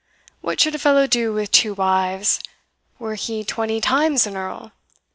What should a fellow do with two wives, were he twenty times an Earl?